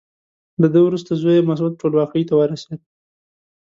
له ده وروسته زوی یې مسعود ټولواکۍ ته ورسېد.